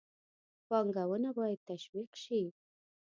پانګونه باید تشویق شي.